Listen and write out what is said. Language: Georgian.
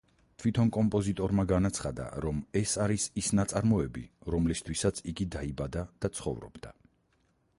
თვითონ კომპოზიტორმა განაცხადა, რომ ეს არის ის ნაწარმოები, რომლისათვისაც იგი დაიბადა და ცხოვრობდა.